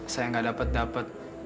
saya nggak dapat dapat